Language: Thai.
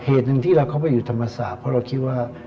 เหตุหนึ่งที่เราเข้าไปอยู่ธรรมศาสตร์เพราะเราคิดว่า